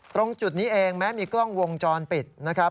ตรงจุดนี้เองแม้มีกล้องวงจรปิดนะครับ